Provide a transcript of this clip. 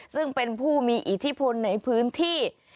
ซึ่งเป็นผู้มีอิทธิพลในพื้นที่